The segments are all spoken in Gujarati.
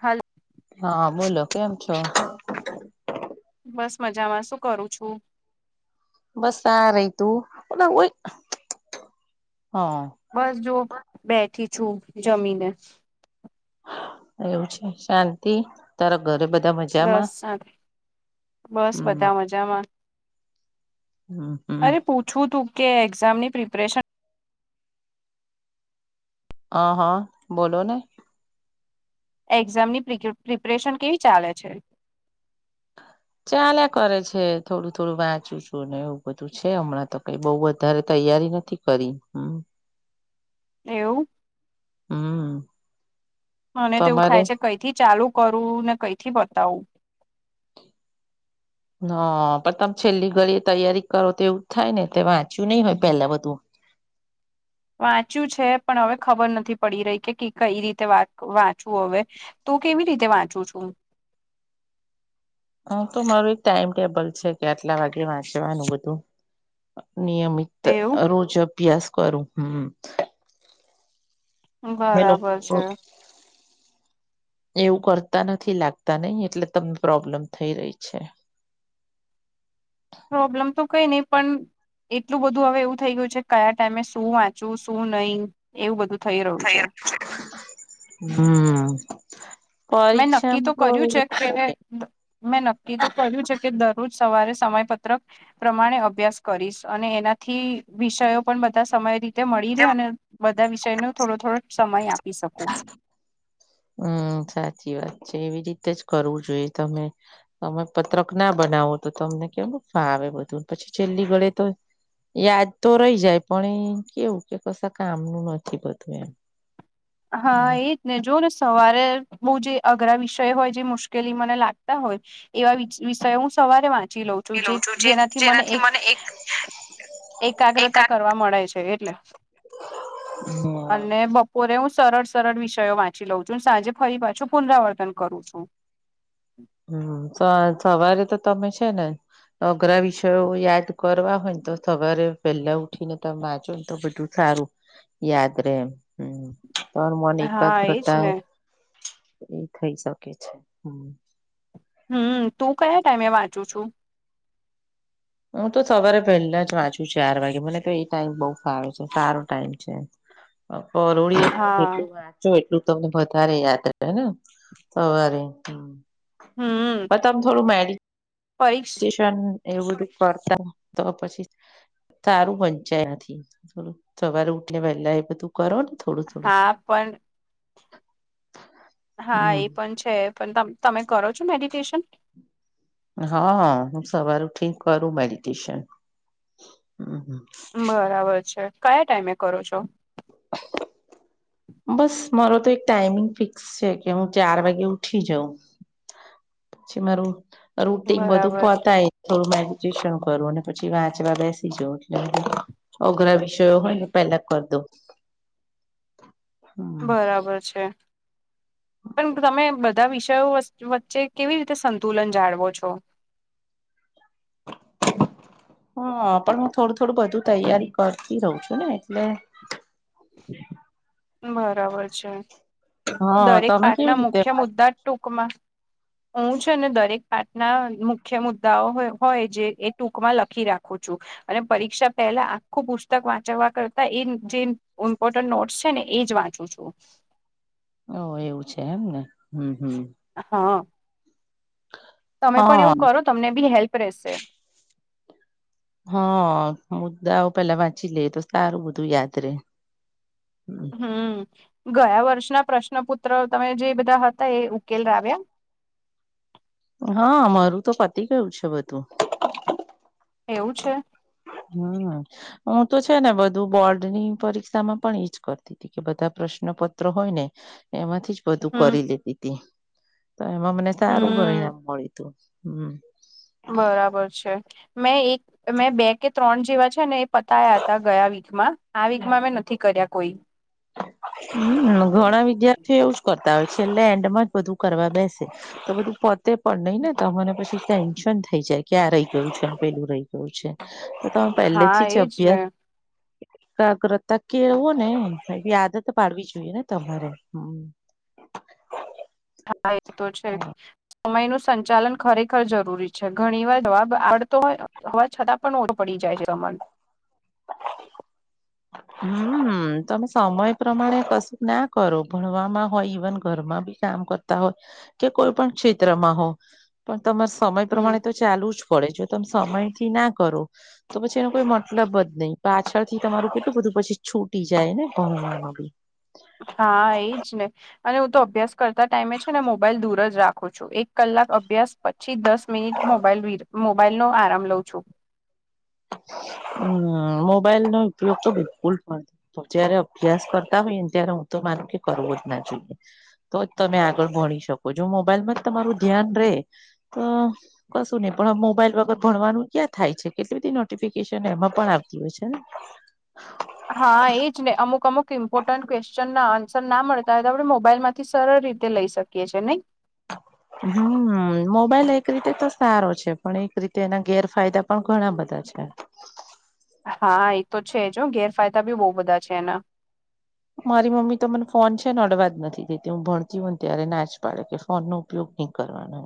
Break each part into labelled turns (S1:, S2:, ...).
S1: હલો
S2: હા બોલો કેમ છો?
S1: બસ મજામાં શું કરું છું?
S2: બસ રા રહી તૂ [unintelligible] હ
S1: બસ જો બેઠી છું જમીને
S2: એવું છે શાંતિ તારા ઘરે બધા મજામાં?
S1: બસ શાંતિ બસ બધા મજામાં
S2: હા.
S1: અરે પૂછવું તું કે એક્ઝામની પ્રિપરેશન
S2: હ હા બોલો ને.
S1: એક્ઝામની પ્રિપરેશન કેવી ચાલે છે?
S2: ચાલેયા કરે છે થોડું થોડું વાંચું છું એવું બધું છે હમણાં તો કઈ બઉ વધારે તૈયારી નથી. કરી હમ.
S1: એવું?
S2: હમ.
S1: મને તો એવું
S2: તમારે
S1: થાય છે કઈથી ચાલુ કરવું ને કઈથી પતાવું.
S2: હ પણ તમે છેલ્લી ઘડી તૈયારી કરો તો એવું થાય ને તે વાંચ્યું નહી હોય પેલા બધું.
S1: વાંચ્યું છે પણ હવે ખબર નથી પડી રહી કે કઈ રીતે વાંચવું હવે. તું કેવી રીતે વાંચું છું?
S2: હા તો મારું એક ટાઈમ ટેબલ છે કે આટલા વાગે વાંચવાનું બધું, નિયમિત.
S1: એવું
S2: રોજ અભ્યાસ કરું હમ.
S1: બરાબર
S2: લોકો
S1: છે
S2: એવું કરતા નથી લાગતાને એટલે તમને પ્રોબ્લેમ થઈ રહી છે.
S1: પ્રોબ્લેમ તો કઈ નહી પણ એટલું બધું હવે એવું થઇ ગયું છે કયા ટાઈમે શું વાંચવું શું નહી એવું બધું થઈ રહ્યું છે.
S2: હમ,
S1: મેં નક્કી તો કર્યું
S2: પરીક્ષામાં
S1: છે કે
S2: તો એ
S1: મેં નક્કી તો કર્યું છે કે દરરોજ સવારે સમયપત્રક પ્રમાણે અભ્યાસ કરીશ અને એનાથી વિષયો પણ બધા સમય રી તે મળી રહેે અને બધા વિષયને થોડો થોડો સમય આપી શકું.
S2: હમ સાચી વાત છે એવી રીતે જ કરવું જોઈએ તમે તમે પત્રકના બનાવો તો તમને કેમ ફાવે બધું પછી છેલ્લી ઘડીએ તો યાદ તો રહી જાય પણ એ કેવું કે કશા કામનું નથી બધું એમ.
S1: હા એજ ને જો સવારે બહુ જે અઘરા વિષય હોય જે મુશ્કેલી મને લાગતા હોય. એવા વિષયો હું સવારે વાંચી લઉં છું. જેનાથી મને એક એકાગ્રતા કરવા મળે છે એટલે,
S2: હમ.
S1: અને બપોરે હું સરળ સરળ વિષયો વાંચી લઉં છું સાંજે ફરી પાછું પુનરાવર્તન કરું છું.
S2: હમ સવારે તો તમે છે ને? અઘરા વિષયો યાદ કરવા હોય ને તો સવારે પેલા ઉઠી ને તમે વાજો ને તો બધું. સારું, યાદ રે એમ હમ તો મન
S1: હા એજ
S2: એકાગ્રતા
S1: ને
S2: એ થઇ શકે છે હમ.
S1: હમ તું કયા ટાઈમે વાંચુ છુ?
S2: હું તો સવારે પહેલા જ વાંચુ ચાર વાગે મને તો એ ટાઈમ બઉ સારો છે સારો ટાઈમ છે.
S1: હ [inaudible]
S2: પડીટ [unintelligible] જો એટલું તમને વધારે યાદ રહેેને સવારે. બ તમ થોડું મેડી
S1: પસ [unintelligible]
S2: એવું બધું કરતા તો પછી તારું વંચાય નથી થો, સવારે ઉઠને પહેલા એ બધું કરો ને. થોડું થોડું
S1: હા પણ હા એ
S2: હમ
S1: પણ છે પણ તમે કરો છો મેડિટેશન?
S2: હા હું સવાર ઉઠીક કરું મેડિટેશન હ.
S1: બરાબર છે કયા ટાઈમે કરો છો?
S2: [inaudible] બસ મારો તો એક ટાઈમિંગ ફિક્સ છે કે હું ચાર વાગે ઉઠી જાઉં. પછી મારું રૂટન બધું
S1: બરાબર
S2: પતાય થોડું મેડિટેશન કરું અને પછી વાંચવા બેસી જવ એટલે. ઓઘરા વિષયો હોય ને પહેલા કર દો.
S1: બરાબર છે. પણ તમે બધા વિષયો વચ્ચે કેવી રીતે સંતુલન જાળવો છો?
S2: હા પણ હું થોડું થોડું બધું તૈયારી કરતી રહઉ છું ને એટલે
S1: બરાબર છે,
S2: હા
S1: દરેક
S2: તમે
S1: પાક
S2: કેવી
S1: ના
S2: રીતે
S1: મુખ્ય
S2: વાત
S1: મુદ્દા જ ટૂંકમાં. હું છે ને દરેક આટના મુખ્ય મુદ્દાઓ હોય જે એ ટૂંકમાં લખી રાખું છું. અને પરીક્ષા પહેલા આખું પુસ્તક વાંચવા કરતા એ જે ઇમ્પોર્ટન્ટ નોટસ છે ને એજ વાંચ. છ [unintelligible]
S2: ઓ એવું છે એમ ને હમ હમ.
S1: હા. તમે પણ
S2: હા
S1: એવું કરો તમને બી હેલ્પ રહેશે.
S2: હ, મુદ્દા આવ પેલા વાંચી લે તો સારું બધું યાદ રે.
S1: હમ, ગયા વર્ષના પ્રશ્ન પુત્ર તમે જે બધા હતા એ ઉકેલ ર આવ્યા?
S2: હા મારું તો પતિ ગયું છે બધું.
S1: એવું છે?
S2: હમ હું તો છે ને બધું બોર્ડ ની પરીક્ષા માં પણ જ કરતી. કે બધા પ્રશ્ન પત્ર હોય ને, એમાંથી જ બધું
S1: હમ
S2: કરી લેધી તી, તો એમાં મને સારું
S1: હમ
S2: પરિણામ મળ્યું તું હમ.
S1: બરાબર છે, મેં એક મેં બે કે ત્રણ જેવા છે ને. પતાયા હતા ગયા વીકમાં આ વીકમાં મેં નથી કર્યા કોઈ.
S2: હ ઘણા વિદ્યાર્ એવું જ કરતા હોય છે એટલે એન્ડમાં જ બધું કરવા બેસે, તો બધું પો તે પણ નહી ને તો મને પછી ટેન્શન થઈ જાય ક્યાં રહી ગયું છે આપેલું રહી. શું છે તો તમે
S1: હા
S2: પહેલેથી જ
S1: એજ ને
S2: અભ્યાસ એકાગ્રતા કેળવું ને યાદ તો પાડવી જોઈએ ને તમારે હમ.
S1: હા એ તો છે. સમય નું સંચાલન ખરેખર જરૂરી છે ઘણી વાર જવાબ આવડતો હોય. હવા છતાં પણ ઓર પડી જાય છે રમણ.
S2: હમ તમે સમય પ્રમાણે કશું ના કરો ભણવામાં હોય ઈવન ઘરમાં બી. કામ કરતા હોય, કે કોઈ પણ ક્ષેત્રમાં હો, પણ તમા સમય પ્રમાણે
S1: હમ.
S2: તો ચાલુ જ પડે જો તમે સમય થી ના કરો. તો પછી એનો કોઈ મતલબ જ નહીં પાછળથી તમારું કેટું બધું પછી છૂટી જાય ને ભમવામાંમાં બી.
S1: હા એજ ને, અને હું તો અભ્યાસ કરતા ટાઈમે છે ને મોબાઈલ દૂર જ રાખું છું. એક કલાક અભ્યાસ પછી દસ મિનિટ મોબાઈલ મોબાઈલ નો આરામ લઉં છું.
S2: હમ, મબાઈલ ન ઉપયોગ તો બહુલ થ. તો જયારે અભ્યાસ કરતા હોઈ ને ત્યારે હું તો માનું કે કરવું જ ના જોઈએ. તો જ તમે આગળ ભણી શકો જો મોબાઈલમાં જ તમારું ધ્યાન રે તો કશું નહીિ પણ મોબાઈલ વગર ભણવાનું ક્યાં થાય છે કેટલી બધી નો નોફિકેશન એમાં પણ આવતી હોય છે.
S1: હા એ જ ને અમુક અમુક ઇમ્પોર્ટન્ટ ક્વેશ્ચન ના આન્સર ના મળતા હોય તો આપણે મોબાઈલ માંથી સરળ રીતે લઈ શકીએ. કે છે નહી. [inaudible]
S2: હમ મોબાઈલ એક રીતે તો સારો છે પણ એક રીતે એના ગેરફાયદા પણ ઘણા બધા છે.
S1: હા એ તો છે જો ગેરફાયદા બી બહુ બધા છે એના.
S2: મારી મમ્મી તો મને ફોન છે ને અડવા જ નથી દેતી હું ભણતી હોય ને ત્યારે નાચ પાડે કે ફોનનુ ઉપયોગ નહી કરવાનો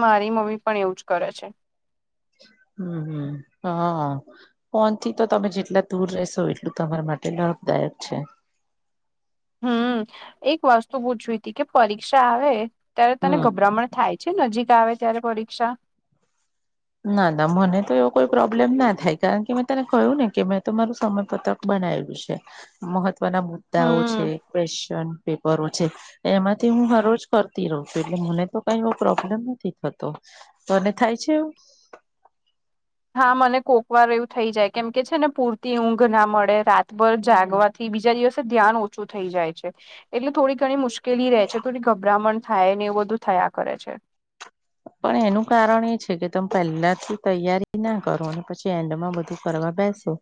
S1: મારી મમ્મી પણ એવું જ કરે છે.
S2: હમ હમ હા ફનથી તો તમે જેટલા દૂર રહેશો એટલું તમારા માટે લાભદાયક છે.
S1: હમ એક વાસ્તુ પૂછવી હતી કે પરીક્ષા આવે ત્યારે તને
S2: હમ
S1: ગભરામણ થાય. છે નજીક આવે ત્યારે પરીક્ષા
S2: ના ના મને તો એવો કોઈ પ્રોબ્લેમ ના થાય કારણ કે તને કહ્યું ને કે મેં તમારું સમયપત્રક બનાવ્યું છે. ના મુદ્દાઓ છે
S1: હમ
S2: ક્વેશ્ચન પેપરો છે. એમાંથી હું હર રોજ કરતી રહઉ છું એટલે મને તો કઈ એવો પ્રોબ્લેમ નથી થતો. કોને થાય છેું.
S1: હા મને કોકવાર એવું થઇ જાય કેમ કે છે ને પૂરતી ઊંઘ ના મળે રાતભર જાગવા થી બીજા દિવસે ધ્યાન ઓછું થઈ જાય છે. એટલે થોડી ઘણી મુશ્કેલી રહે છે થોડી ગભરામણ થાય ને એવું બધું થયા કરે છે.
S2: પણ એનું કારણ એ છે કે તમે પહેલાથી તૈયારી ના કરો અને પછી એન્ડમાં બધી. ફ બેસો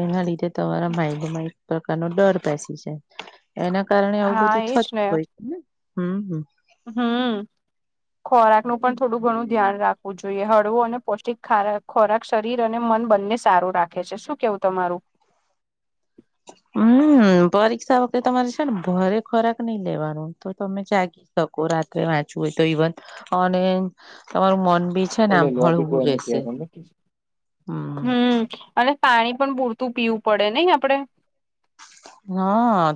S2: એના લીધે તમારા માઇડમાં એક પ્રકારનોો ડર બેસી છે. એના કારણે આવું
S1: હા
S2: બધું થતું હોય છે હમ હ.
S1: હમ્મ ખોરાક નું પણ થોડું ઘણું ધ્યાન રાખવું જોઈએ હળવું અને પૌષ્ટિક ખારક ખોરાક શરીર અને મન બંને સારું રાખે છે શું કેવું તમારુ
S2: હમ પરીક્ષા વખતે તમારે છે ને ભરે ખોરાક નઈ લેવાનું તો તમે જાગી. શકો રાત્રે વાંચવું હોય, તો ઇવન અને તમારું મન બી છે. ને આમ
S1: લઈ લો બી
S2: હળવું
S1: કોઈકી
S2: રહેશે હમ
S1: હ. પાણી પણ પૂરતું પીવું પડે નહીિ આપડે
S2: હ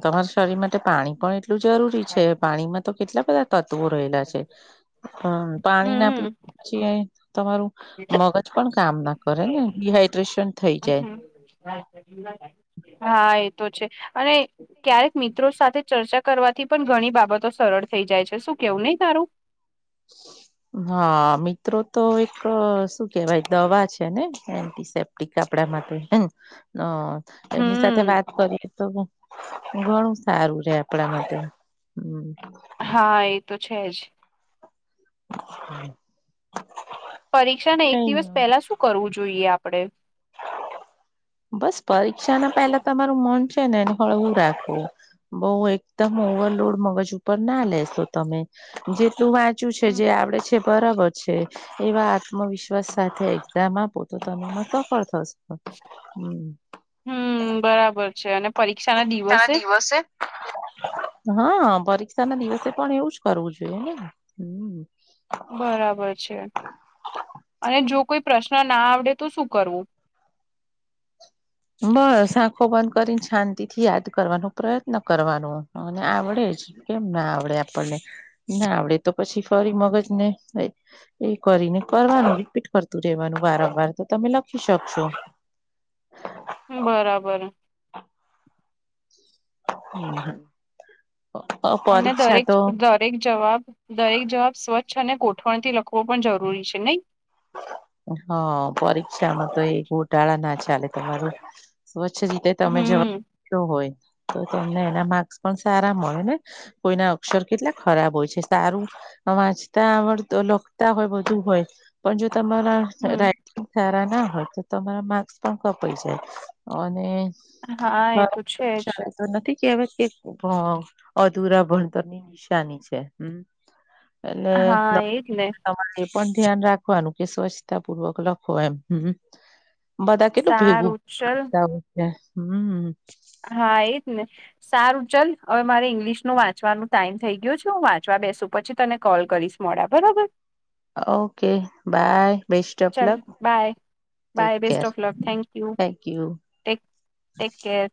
S2: તમારા શરીર માટે પાણી પણ એટલું જરૂરી છે પાણીમાં તો કેટલા બધા. તત્વો રહેલા છે, હમ પાણી ના
S1: હમ
S2: પીવા પી તમારું. મગજ પણ કામ ના કરે ને ડડીહાઈડ્રેશન થઈ જાય.
S1: હા એતો છે, અને. ક્યારેક મિત્રો સાથે ચર્ચા કરવાથી પણ ઘણી બાબતો સરળ થઈ જાય છે શું કેવું નહી, તારુ [inaudible]
S2: હા મિત્રો તો એક શું કેહેવાય દવા છેને એન્ટીસેપ્ટ કપડા માટે હ એમની સાથે
S1: હમ
S2: વાત કરીએ તો ઘણું સારું રે આપણા માટે હમ
S1: હા એ તો છે જ
S2: હમ્મ
S1: પરીક્ષા ને એક દિવસ પેલા શું કરવું જોઈએ આપણેે
S2: બસ પરીક્ષા ના પહેલા તમારું મન છે ને એ હળવું રાખવું બઉ એકદમ ઓવરલોડ મગજ ઉપર ના લેશો, તમે જે તું વા ચું છે જે આપડે છે બરાબર છે એવા આત્મવિશ્વાસ સાથે એક્ઝામમાં પોતે તમેમાં સફળ થશે
S1: હ
S2: હમ્મ
S1: હમ્મ બરાબર છે અને પરીક્ષા ના
S2: તાર દિવસે હા પરીક્ષા ના દિવસે પણ એવું જ કરવું જોઈએ. હમ
S1: બરાબર છે. અને જો કોઈ પ્રશ્ન ના આવડે તો શું કરવુ
S2: બસ આંખો બંધ કરીને શાંતિ થી યાદ કરવાનો પ્રયત્ન કરવાનો મને આવડે જ કેમ ના આવડે આપણને ના આવડે તો પછી ફરી મગજ ને એ કરીને કરવાનું રિપીટ કરતું રહેેવાનું વારંવાર તો તમે લખી શકશો
S1: હમ્મ બરાબર અને
S2: પરીક્ષા
S1: દરેક
S2: તો
S1: દરેક જવાબ દરેક જવાબ સ્વચ્છ અને ગોઠવણ થી લખવો પણ જરૂરી છે નહી
S2: હ પરીક્ષામાં તો એ ગોટાળા ના ચાલે તમારું સ્વચ્છ રીતે તમે જવાબ
S1: હમ
S2: આપિયો હોય તો તમને એના માર્ક્સ પણ સારા મળે ને કોઈના અક્ષર કેટલા ખરાબ હોય છે સારું વાંચતા આવડ લખતા હોય બધું હોય પણ જો તમારા
S1: હમ
S2: સારા ના હોય તો તમારા માક્સ પણ કપાઈ જાય અને
S1: હા એ તો છે જ
S2: શાળા તો નથી કેહેવા કે અધુરા ભણતરની નિશાની છે હમ્મ અને
S1: હા એજ ને
S2: [unintelligible] પણ ધ્યાન રાખવાનું કે સ્વચ્છતા પૂર્વક લખો એમ હમ્મ હમ્મ બધા કેટલું ભેગું
S1: સારું ચલ
S2: કરતા હોય છે હમ્મ
S1: હા એ જ ને સારું ચલ હવે મારે ઈંગ્લિશ નું વાંચવાનો ટાઈમ થઈ ગયો છે હું વાંચવા બેસુ પછી તને કોલ કરીશ મોડા બરાબર
S2: ઓકે બાય બેસ્ટ ઓફ
S1: ચાલ
S2: luck
S1: bye
S2: take
S1: bye best
S2: care
S1: of luck thank you
S2: thank you
S1: take take care